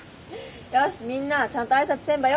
よしみんなちゃんと挨拶せんばよ。